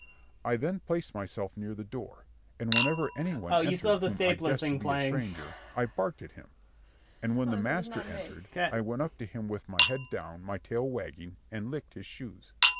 I then placed myself near the door; and whenever any one entered whom I guessed to be a stranger, I barked at him; and when the master entered, I went up to him with my head down, my tail wagging, and licked his shoes.